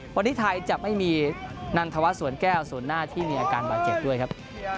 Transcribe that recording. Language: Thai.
วันนี้ไทยจะไม่มีนันทวัฒนสวนแก้วส่วนหน้าที่มีอาการบาดเจ็บด้วยครับ